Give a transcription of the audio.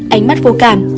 bốn ánh mắt vô cảm